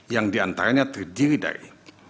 yang diantaranya terdiri dari